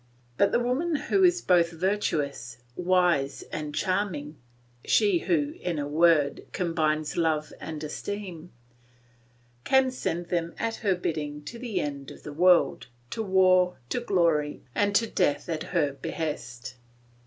But the woman who is both virtuous, wise, and charming, she who, in a word, combines love and esteem, can send them at her bidding to the end of the world, to war, to glory, and to death at her behest.